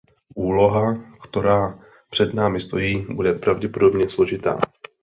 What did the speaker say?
Úloha, ktorá před námi stojí, bude pravděpodobně složitá.